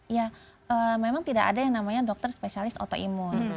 ya memang tidak ada yang namanya dokter spesialis autoimun